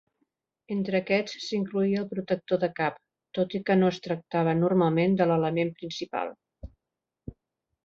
Entre aquests s'incloïa el protector de cap, tot i que no es tractava normalment de l'element principal.